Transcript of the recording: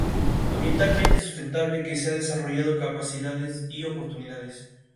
Esto le perturbó tan profundamente que dejó de escribir música por completo.